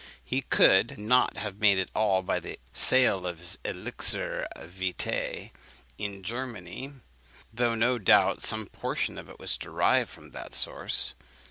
He could not have made it all by the sale of his elixir vitæ in Germany, though no doubt some portion of it was derived from that source.